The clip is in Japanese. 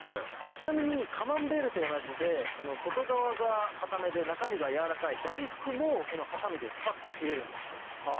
ちなみにカマンベールと同じで外側が硬めで中身が軟らかい大福もこのハサミでスパっと切れるんですよ。